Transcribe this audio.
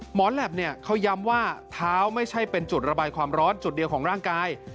แหลปเนี่ยเขาย้ำว่าเท้าไม่ใช่เป็นจุดระบายความร้อนจุดเดียวของร่างกาย